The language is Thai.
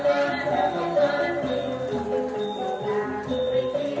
การทีลงเพลงสะดวกเพื่อความชุมภูมิของชาวไทย